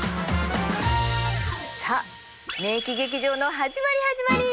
さあ免疫劇場の始まり始まり！